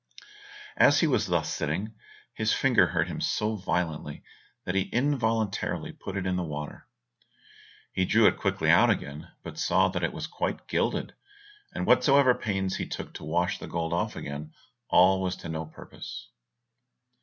As he was thus sitting, his finger hurt him so violently that he involuntarily put it in the water. He drew it quickly out again, but saw that it was quite gilded, and whatsoever pains he took to wash the gold off again, all was to no purpose.